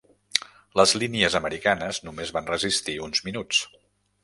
Les línies americanes només van resistir uns minuts.